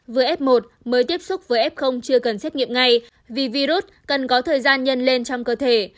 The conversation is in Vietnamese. vừa f một mới tiếp xúc với f chưa cần xét nghiệm ngay vì virus cần có thời gian nhân lên trong cơ thể